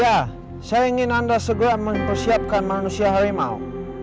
ya saya ingin anda segera mempersiapkan manusia harimau